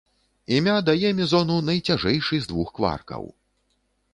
Імя дае мезону найцяжэйшы з двух кваркаў.